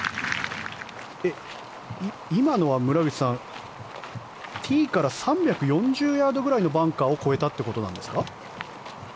今のは村口さんティーから３４０ヤードくらいのバンカーを越えたということですか？